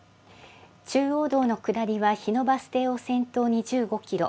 中央道の下りは日野バス停を先頭に１５キロ。